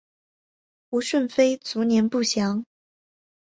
胡顺妃卒年不详。